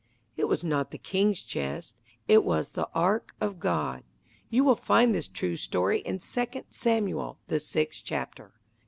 It was not the king's chest; it was the ark of God. You will find this true story in Second Samuel, the sixth chapter.